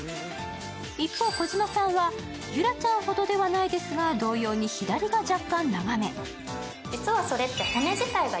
一方児嶋さんはゆらちゃんほどではないですが同様に左が若干長め。